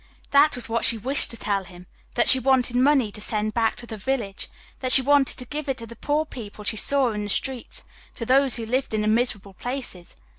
That was what she wished to tell him that she wanted money to send back to the village, that she wanted to give it to the poor people she saw in the streets, to those who lived in the miserable places.